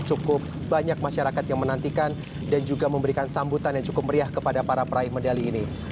cukup banyak masyarakat yang menantikan dan juga memberikan sambutan yang cukup meriah kepada para peraih medali ini